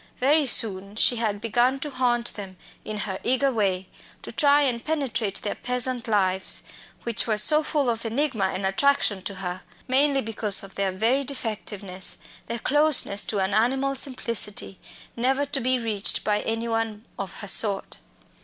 Very soon she had begun to haunt them in her eager way, to try and penetrate their peasant lives, which were so full of enigma and attraction to her, mainly because of their very defectiveness, their closeness to an animal simplicity, never to be reached by any one of her sort.